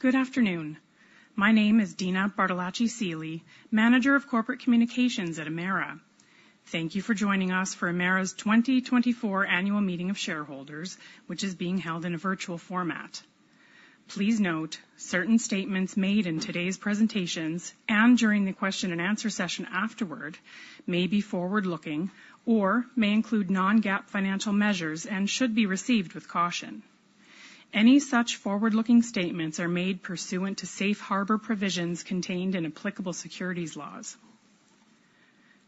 Good afternoon. My name is Dina Bartolacci Seely, Manager of Corporate Communications at Emera. Thank you for joining us for Emera's 2024 Annual Meeting of Shareholders, which is being held in a virtual format. Please note, certain statements made in today's presentations, and during the question and answer session afterward, may be forward-looking or may include non-GAAP financial measures and should be received with caution. Any such forward-looking statements are made pursuant to Safe Harbor provisions contained in applicable securities laws.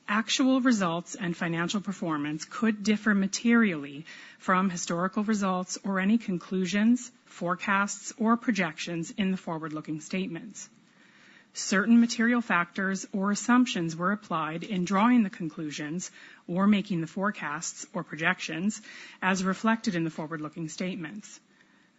Actual results and financial performance could differ materially from historical results or any conclusions, forecasts, or projections in the forward-looking statements. Certain material factors or assumptions were applied in drawing the conclusions or making the forecasts or projections as reflected in the forward-looking statements.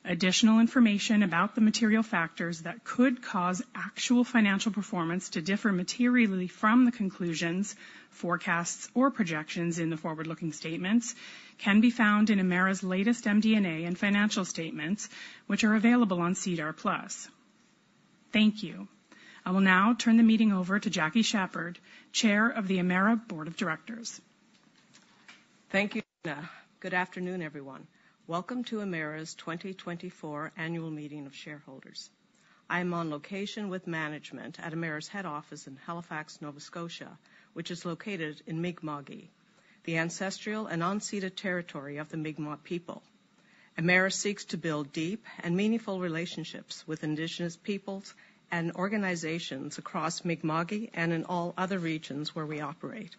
Additional information about the material factors that could cause actual financial performance to differ materially from the conclusions, forecasts, or projections in the forward-looking statements can be found in Emera's latest MD&A and financial statements, which are available on SEDAR+. Thank you. I will now turn the meeting over to Jackie Sheppard, Chair of the Emera Board of Directors. Thank you, Dina. Good afternoon, everyone. Welcome to Emera's 2024 Annual Meeting of Shareholders. I'm on location with management at Emera's head office in Halifax, Nova Scotia, which is located in Mi'kma'ki, the ancestral and unceded territory of the Mi'kmaq people. Emera seeks to build deep and meaningful relationships with Indigenous peoples and organizations across Mi'kma'ki and in all other regions where we operate.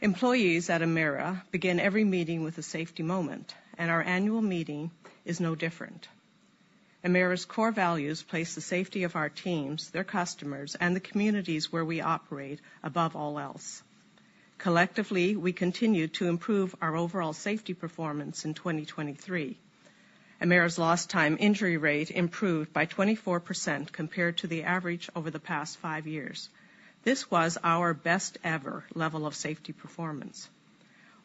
Employees at Emera begin every meeting with a safety moment, and our annual meeting is no different. Emera's core values place the safety of our teams, their customers, and the communities where we operate above all else. Collectively, we continued to improve our overall safety performance in 2023. Emera's lost time injury rate improved by 24% compared to the average over the past five years. This was our best ever level of safety performance.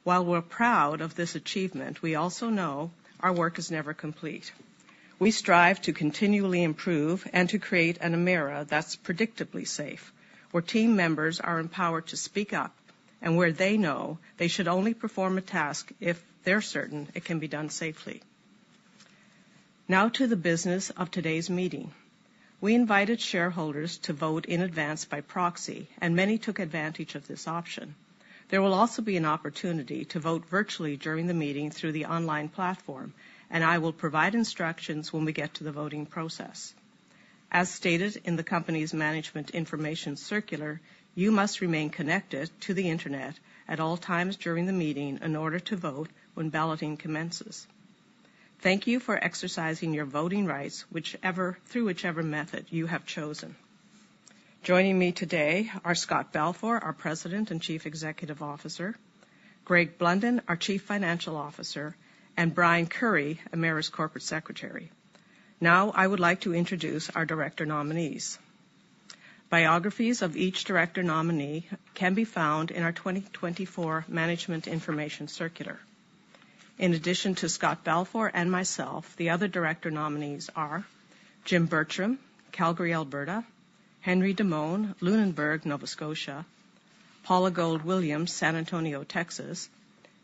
While we're proud of this achievement, we also know our work is never complete. We strive to continually improve and to create an Emera that's predictably safe, where team members are empowered to speak up, and where they know they should only perform a task if they're certain it can be done safely. Now to the business of today's meeting. We invited shareholders to vote in advance by proxy, and many took advantage of this option. There will also be an opportunity to vote virtually during the meeting through the online platform, and I will provide instructions when we get to the voting process. As stated in the company's Management Information Circular, you must remain connected to the Internet at all times during the meeting in order to vote when balloting commences. Thank you for exercising your voting rights, whichever method you have chosen. Joining me today are Scott Balfour, our President and Chief Executive Officer, Greg Blunden, our Chief Financial Officer, and Brian Curry, Emera's Corporate Secretary. Now, I would like to introduce our director nominees. Biographies of each director nominee can be found in our 2024 Management Information Circular. In addition to Scott Balfour and myself, the other director nominees are Jim Bertram, Calgary, Alberta, Henry Demone, Lunenburg, Nova Scotia, Paula Gold-Williams, San Antonio, Texas,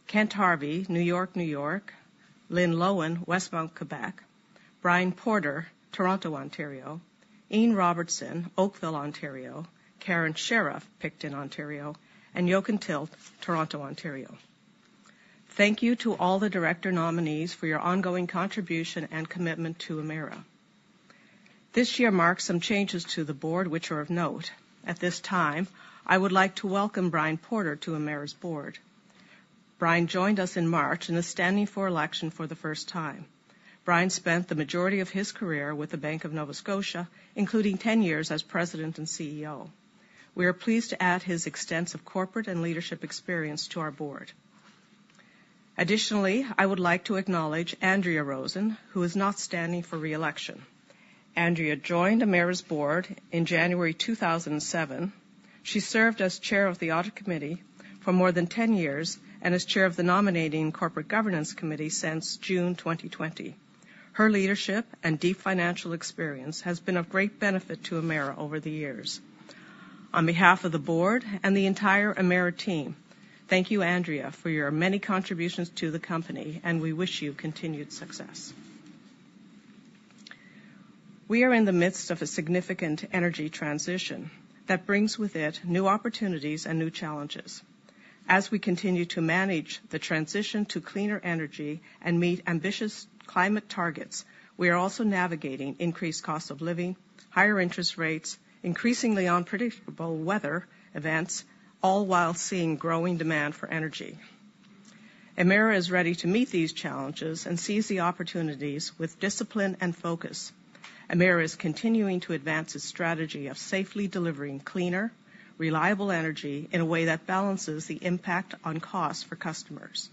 Kent Harvey, New York, New York, Lynn Loewen, Westmount, Quebec, Brian Porter, Toronto, Ontario, Ian Robertson, Oakville, Ontario, Karen Sheriff, Picton, Ontario, and Jochen Tilk, Toronto, Ontario. Thank you to all the director nominees for your ongoing contribution and commitment to Emera. This year marks some changes to the board, which are of note. At this time, I would like to welcome Brian Porter to Emera's board. Brian joined us in March and is standing for election for the first time. Brian spent the majority of his career with the Bank of Nova Scotia, including 10 years as President and CEO. We are pleased to add his extensive corporate and leadership experience to our board. Additionally, I would like to acknowledge Andrea Rosen, who is not standing for re-election. Andrea joined Emera's board in January 2007. She served as Chair of the Audit Committee for more than 10 years, and as Chair of the Nominating Corporate Governance Committee since June 2020. Her leadership and deep financial experience has been of great benefit to Emera over the years. On behalf of the board and the entire Emera team, thank you, Andrea, for your many contributions to the company, and we wish you continued success. We are in the midst of a significant energy transition that brings with it new opportunities and new challenges. As we continue to manage the transition to cleaner energy and meet ambitious climate targets, we are also navigating increased costs of living, higher interest rates, increasingly unpredictable weather events, all while seeing growing demand for energy. Emera is ready to meet these challenges and seize the opportunities with discipline and focus. Emera is continuing to advance its strategy of safely delivering cleaner, reliable energy in a way that balances the impact on costs for customers.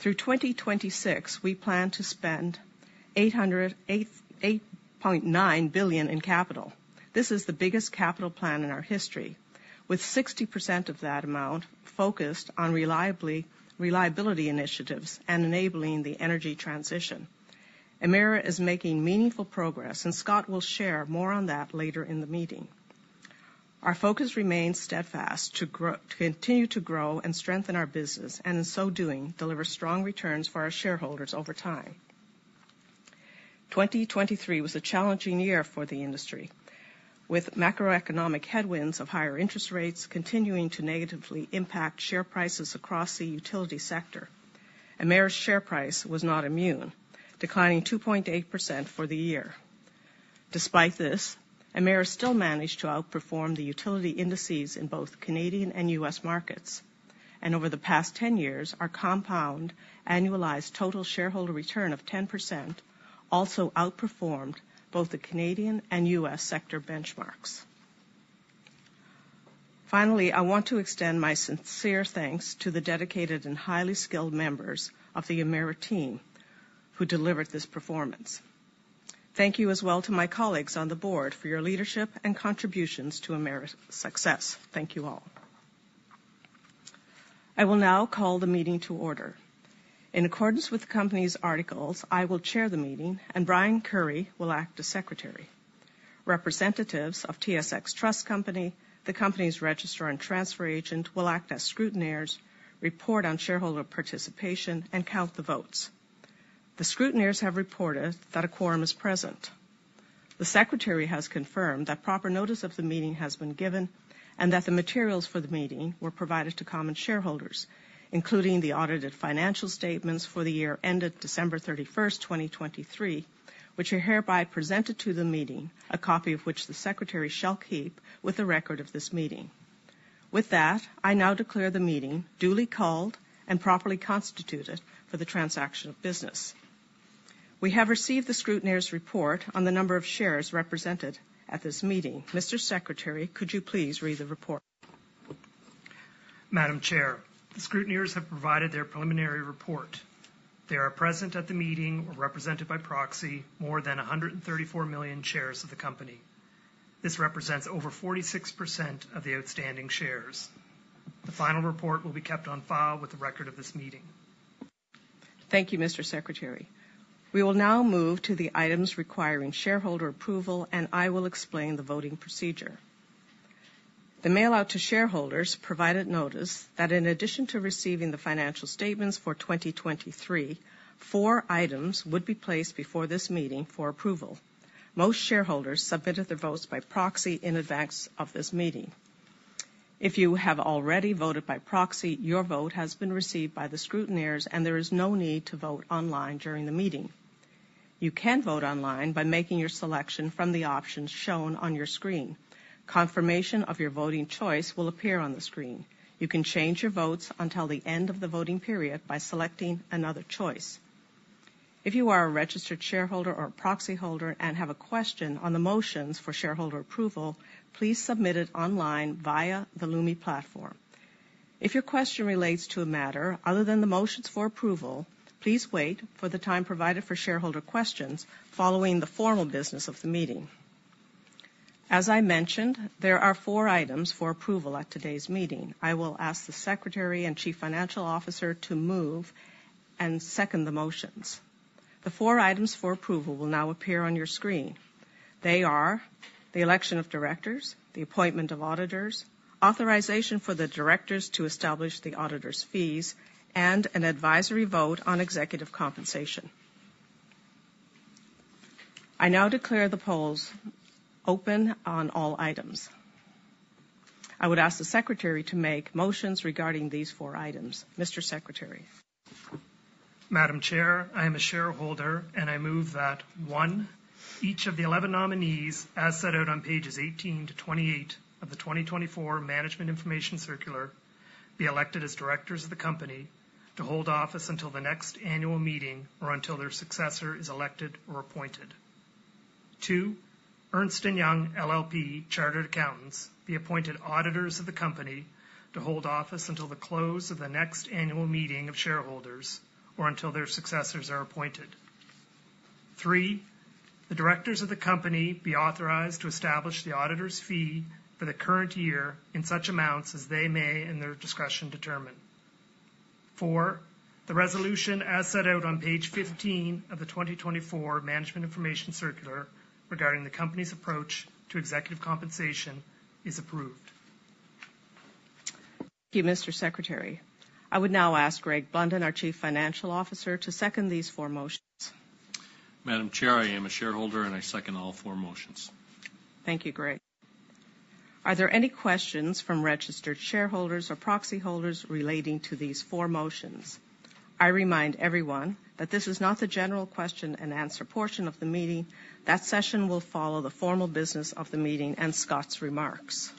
Through 2026, we plan to spend 8.9 billion in capital. This is the biggest capital plan in our history, with 60% of that amount focused on reliability initiatives and enabling the energy transition. Emera is making meaningful progress, and Scott will share more on that later in the meeting. Our focus remains steadfast to grow, to continue to grow and strengthen our business, and in so doing, deliver strong returns for our shareholders over time. 2023 was a challenging year for the industry, with macroeconomic headwinds of higher interest rates continuing to negatively impact share prices across the utility sector. Emera's share price was not immune, declining 2.8% for the year. Despite this, Emera still managed to outperform the utility indices in both Canadian and U.S. markets, and over the past 10 years, our compound annualized total shareholder return of 10% also outperformed both the Canadian and U.S. sector benchmarks. Finally, I want to extend my sincere thanks to the dedicated and highly skilled members of the Emera team who delivered this performance. Thank you as well to my colleagues on the board for your leadership and contributions to Emera's success. Thank you all. I will now call the meeting to order. In accordance with the company's articles, I will chair the meeting, and Brian Curry will act as secretary. Representatives of TSX Trust Company, the company's registrar and transfer agent, will act as scrutineers, report on shareholder participation, and count the votes. The scrutineers have reported that a quorum is present. The secretary has confirmed that proper notice of the meeting has been given, and that the materials for the meeting were provided to common shareholders, including the audited financial statements for the year ended December 31, 2023, which are hereby presented to the meeting, a copy of which the secretary shall keep with a record of this meeting. With that, I now declare the meeting duly called and properly constituted for the transaction of business. We have received the scrutineers' report on the number of shares represented at this meeting. Mr. Secretary, could you please read the report? Madam Chair, the scrutineers have provided their preliminary report. They are present at the meeting or represented by proxy, more than 134 million shares of the company. This represents over 46% of the outstanding shares. The final report will be kept on file with the record of this meeting. Thank you, Mr. Secretary. We will now move to the items requiring shareholder approval, and I will explain the voting procedure. The mail-out to shareholders provided notice that in addition to receiving the financial statements for 2023, four items would be placed before this meeting for approval. Most shareholders submitted their votes by proxy in advance of this meeting. If you have already voted by proxy, your vote has been received by the scrutineers, and there is no need to vote online during the meeting. You can vote online by making your selection from the options shown on your screen. Confirmation of your voting choice will appear on the screen. You can change your votes until the end of the voting period by selecting another choice. If you are a registered shareholder or a proxy holder and have a question on the motions for shareholder approval, please submit it online via the Lumi platform. If your question relates to a matter other than the motions for approval, please wait for the time provided for shareholder questions following the formal business of the meeting. As I mentioned, there are four items for approval at today's meeting. I will ask the secretary and chief financial officer to move and second the motions. The four items for approval will now appear on your screen. They are the election of directors, the appointment of auditors, authorization for the directors to establish the auditors' fees, and an advisory vote on executive compensation. I now declare the polls open on all items. I would ask the secretary to make motions regarding these four items. Mr. Secretary? Madam Chair, I am a shareholder, and I move that, one, each of the 11 nominees, as set out on pages 18 to 28 of the 2024 Management Information Circular, be elected as directors of the company to hold office until the next annual meeting or until their successor is elected or appointed. Two, Ernst & Young LLP Chartered Accountants be appointed auditors of the company to hold office until the close of the next annual meeting of shareholders or until their successors are appointed. Three, the directors of the company be authorized to establish the auditors' fee for the current year in such amounts as they may, in their discretion, determine. Four, the resolution, as set out on page 15 of the 2024 Management Information Circular regarding the company's approach to executive compensation, is approved. Thank you, Mr. Secretary. I would now ask Greg Blunden, our Chief Financial Officer, to second these four motions. Madam Chair, I am a shareholder, and I second all four motions. Thank you, Greg. Are there any questions from registered shareholders or proxy holders relating to these four motions? I remind everyone that this is not the general question-and-answer portion of the meeting. That session will follow the formal business of the meeting and Scott's remarks.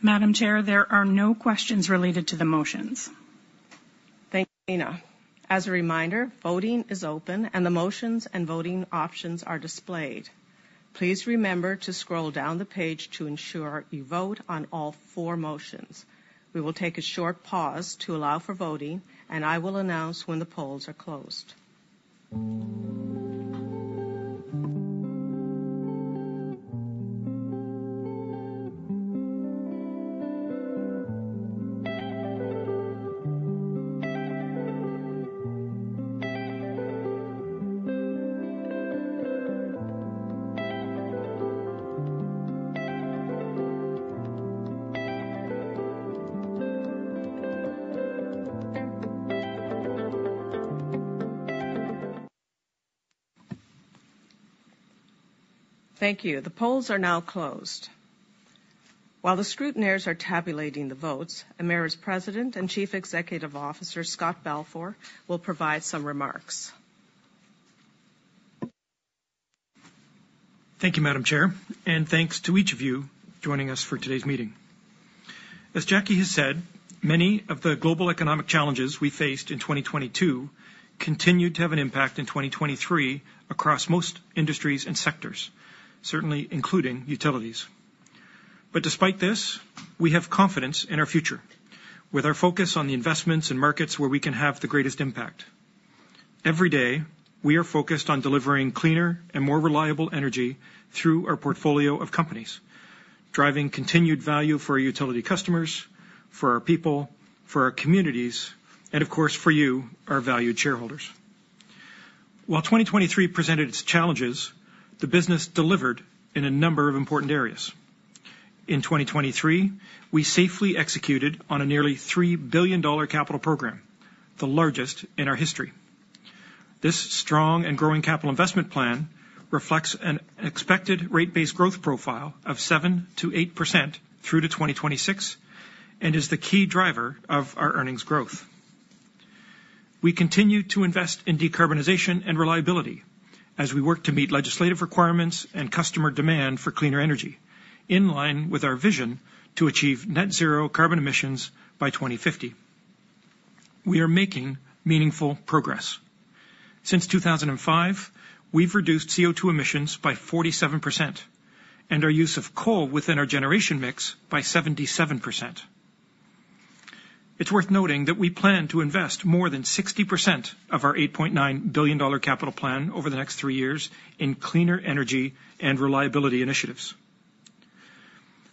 Madam Chair, there are no questions related to the motions. Thank you, Dina. As a reminder, voting is open, and the motions and voting options are displayed... Please remember to scroll down the page to ensure you vote on all four motions. We will take a short pause to allow for voting, and I will announce when the polls are closed. Thank you. The polls are now closed. While the scrutineers are tabulating the votes, Emera's President and Chief Executive Officer, Scott Balfour, will provide some remarks. Thank you, Madam Chair, and thanks to each of you joining us for today's meeting. As Jackie has said, many of the global economic challenges we faced in 2022 continued to have an impact in 2023 across most industries and sectors, certainly including utilities. But despite this, we have confidence in our future. With our focus on the investments and markets where we can have the greatest impact. Every day, we are focused on delivering cleaner and more reliable energy through our portfolio of companies, driving continued value for our utility customers, for our people, for our communities, and of course, for you, our valued shareholders. While 2023 presented its challenges, the business delivered in a number of important areas. In 2023, we safely executed on a nearly 3 billion dollar capital program, the largest in our history. This strong and growing capital investment plan reflects an expected rate base growth profile of 7%-8% through 2026, and is the key driver of our earnings growth. We continue to invest in decarbonization and reliability as we work to meet legislative requirements and customer demand for cleaner energy, in line with our vision to achieve Net Zero carbon emissions by 2050. We are making meaningful progress. Since 2005, we've reduced CO₂ emissions by 47% and our use of coal within our generation mix by 77%. It's worth noting that we plan to invest more than 60% of our 8.9 billion dollar capital plan over the next three years in cleaner energy and reliability initiatives.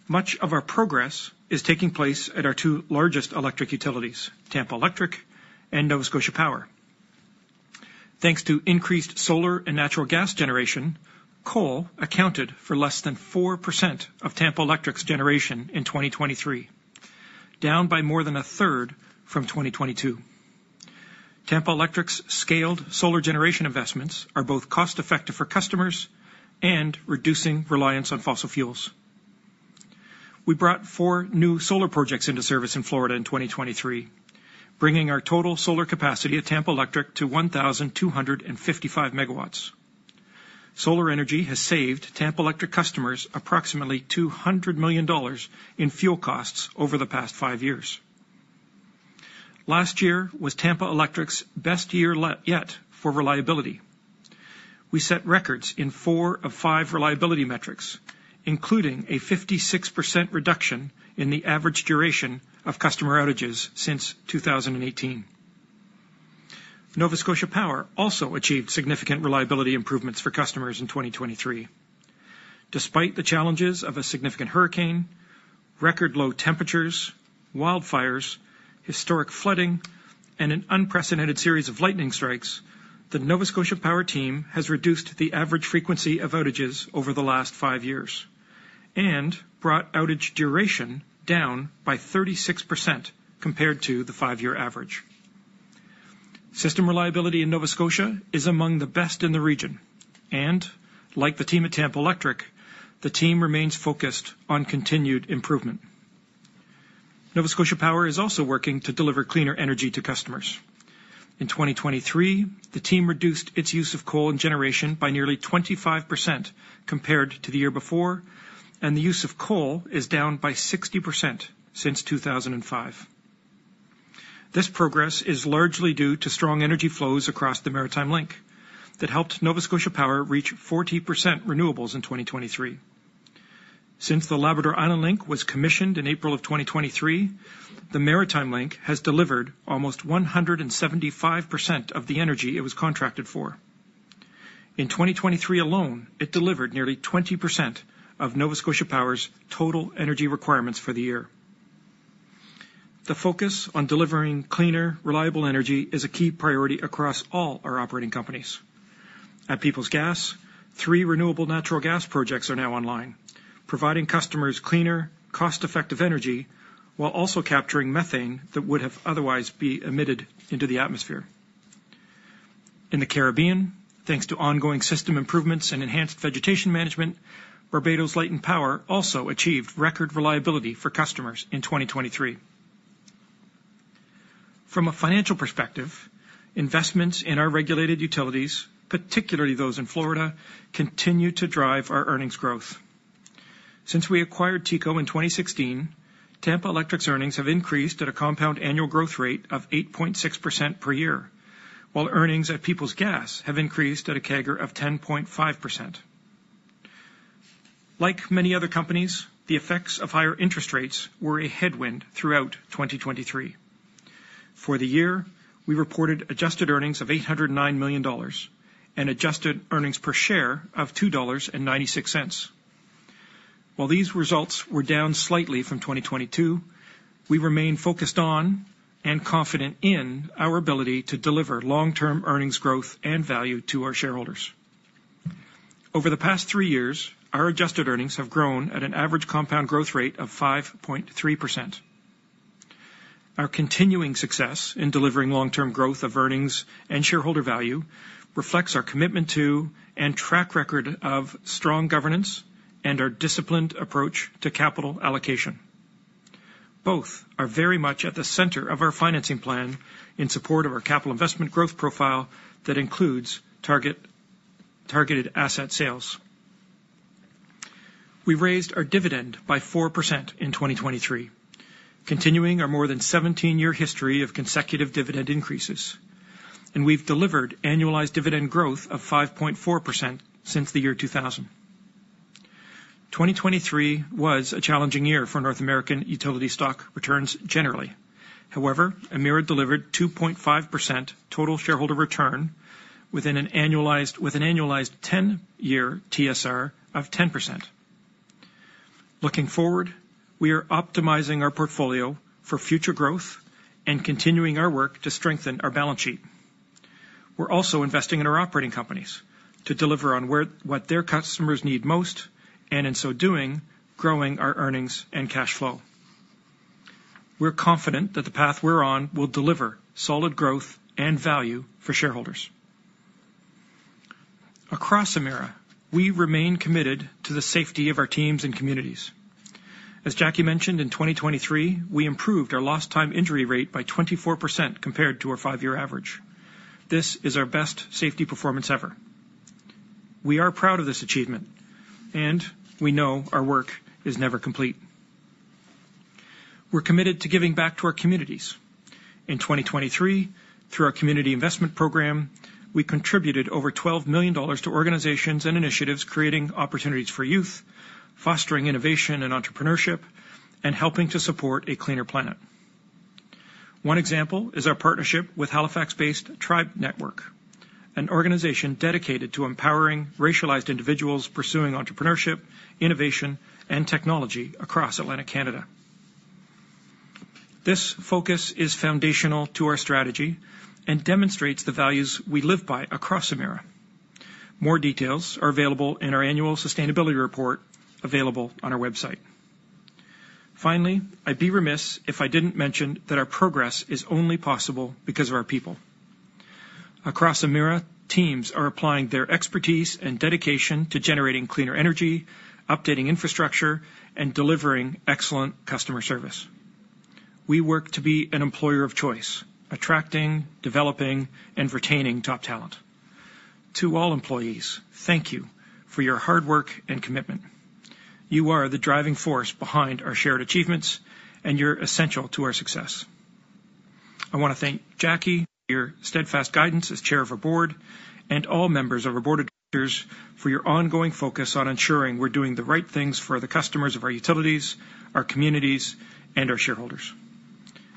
Much of our progress is taking place at our two largest electric utilities, Tampa Electric and Nova Scotia Power. Thanks to increased solar and natural gas generation, coal accounted for less than 4% of Tampa Electric's generation in 2023, down by more than a third from 2022. Tampa Electric's scaled solar generation investments are both cost-effective for customers and reducing reliance on fossil fuels. We brought four new solar projects into service in Florida in 2023, bringing our total solar capacity at Tampa Electric to 1,255 MW. Solar energy has saved Tampa Electric customers approximately 200 million dollars in fuel costs over the past five years. Last year was Tampa Electric's best year yet for reliability. We set records in four of five reliability metrics, including a 56% reduction in the average duration of customer outages since 2018. Nova Scotia Power also achieved significant reliability improvements for customers in 2023. Despite the challenges of a significant hurricane, record low temperatures, wildfires, historic flooding, and an unprecedented series of lightning strikes, the Nova Scotia Power team has reduced the average frequency of outages over the last five years and brought outage duration down by 36% compared to the five-year average. System reliability in Nova Scotia is among the best in the region, and like the team at Tampa Electric, the team remains focused on continued improvement. Nova Scotia Power is also working to deliver cleaner energy to customers. In 2023, the team reduced its use of coal and generation by nearly 25% compared to the year before, and the use of coal is down by 60% since 2005. This progress is largely due to strong energy flows across the Maritime Link that helped Nova Scotia Power reach 40% renewables in 2023. Since the Labrador Island Link was commissioned in April 2023, the Maritime Link has delivered almost 175% of the energy it was contracted for. In 2023 alone, it delivered nearly 20% of Nova Scotia Power's total energy requirements for the year. The focus on delivering cleaner, reliable energy is a key priority across all our operating companies. At Peoples Gas, three renewable natural gas projects are now online, providing customers cleaner, cost-effective energy while also capturing methane that would have otherwise be emitted into the atmosphere. In the Caribbean, thanks to ongoing system improvements and enhanced vegetation management, Barbados Light & Power also achieved record reliability for customers in 2023. From a financial perspective, investments in our regulated utilities, particularly those in Florida, continue to drive our earnings growth.... Since we acquired TECO in 2016, Tampa Electric's earnings have increased at a compound annual growth rate of 8.6% per year, while earnings at Peoples Gas have increased at a CAGR of 10.5%. Like many other companies, the effects of higher interest rates were a headwind throughout 2023. For the year, we reported adjusted earnings of 809 million dollars and adjusted earnings per share of 2.96 dollars. While these results were down slightly from 2022, we remain focused on and confident in our ability to deliver long-term earnings growth and value to our shareholders. Over the past three years, our adjusted earnings have grown at an average compound growth rate of 5.3%. Our continuing success in delivering long-term growth of earnings and shareholder value reflects our commitment to, and track record of, strong governance and our disciplined approach to capital allocation. Both are very much at the center of our financing plan in support of our capital investment growth profile that includes targeted asset sales. We raised our dividend by 4% in 2023, continuing our more than 17-year history of consecutive dividend increases, and we've delivered annualized dividend growth of 5.4% since the year 2000. 2023 was a challenging year for North American utility stock returns generally. However, Emera delivered 2.5% total shareholder return with an annualized 10-year TSR of 10%. Looking forward, we are optimizing our portfolio for future growth and continuing our work to strengthen our balance sheet. We're also investing in our operating companies to deliver on what their customers need most and in so doing, growing our earnings and cash flow. We're confident that the path we're on will deliver solid growth and value for shareholders. Across Emera, we remain committed to the safety of our teams and communities. As Jackie mentioned, in 2023, we improved our lost time injury rate by 24% compared to our five-year average. This is our best safety performance ever. We are proud of this achievement, and we know our work is never complete. We're committed to giving back to our communities. In 2023, through our community investment program, we contributed over 12 million dollars to organizations and initiatives, creating opportunities for youth, fostering innovation and entrepreneurship, and helping to support a cleaner planet. One example is our partnership with Halifax-based Tribe Network, an organization dedicated to empowering racialized individuals pursuing entrepreneurship, innovation, and technology across Atlantic Canada. This focus is foundational to our strategy and demonstrates the values we live by across Emera. More details are available in our annual sustainability report, available on our website. Finally, I'd be remiss if I didn't mention that our progress is only possible because of our people. Across Emera, teams are applying their expertise and dedication to generating cleaner energy, updating infrastructure, and delivering excellent customer service. We work to be an employer of choice, attracting, developing, and retaining top talent. To all employees, thank you for your hard work and commitment. You are the driving force behind our shared achievements, and you're essential to our success. I want to thank Jackie, your steadfast guidance as Chair of our Board of Directors, and all members of our Board of Directors for your ongoing focus on ensuring we're doing the right things for the customers of our utilities, our communities, and our shareholders.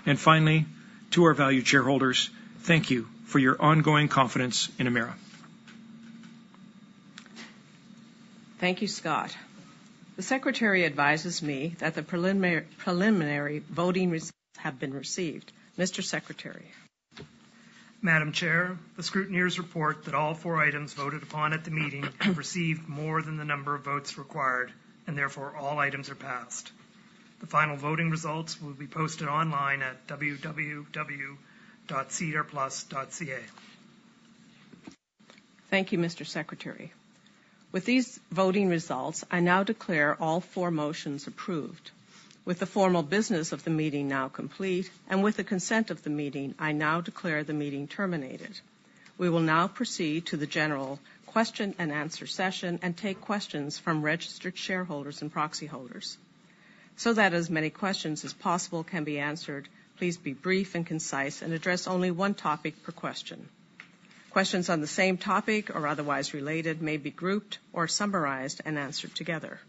And finally, to our valued shareholders, thank you for your ongoing confidence in Emera. Thank you, Scott. The secretary advises me that the preliminary voting results have been received. Mr. Secretary? Madam Chair, the scrutineers report that all four items voted upon at the meeting received more than the number of votes required, and therefore, all items are passed. The final voting results will be posted online at www.sedarplus.ca. Thank you, Mr. Secretary. With these voting results, I now declare all four motions approved. With the formal business of the meeting now complete, and with the consent of the meeting, I now declare the meeting terminated. We will now proceed to the general question-and-answer session and take questions from registered shareholders and proxy holders. So that as many questions as possible can be answered, please be brief and concise and address only one topic per question. Questions on the same topic or otherwise related may be grouped or summarized and answered together.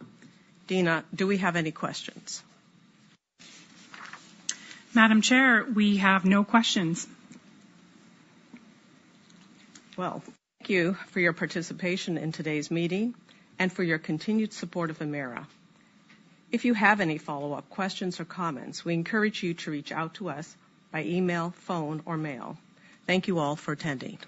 Dina, do we have any questions? Madam Chair, we have no questions. Well, thank you for your participation in today's meeting and for your continued support of Emera. If you have any follow-up questions or comments, we encourage you to reach out to us by email, phone, or mail. Thank you all for attending.